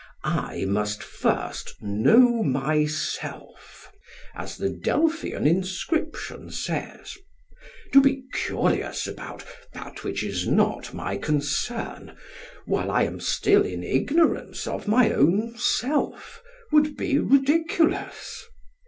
I must first know myself, as the Delphian inscription says; to be curious about that which is not my concern, while I am still in ignorance of my own self, would be ridiculous.